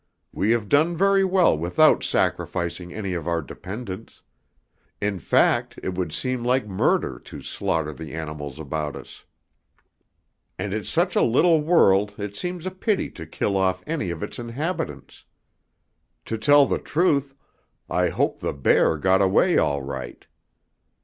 We have done very well without sacrificing any of our dependents; in fact, it would seem like murder to slaughter the animals about us. And it's such a little world it seems a pity to kill off any of its inhabitants. To tell the truth, I hope the bear got away all right.